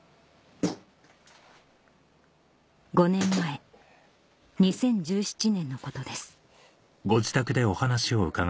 ５年前２０１７年のことです